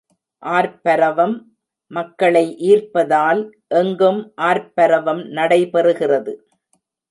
ஆர்ப்பரவம் மக்களை ஈர்ப்பதால் எங்கும் ஆர்ப்பரவம் நடைபெறுகிறது.